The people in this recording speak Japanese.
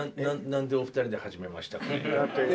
何でお二人で始めました？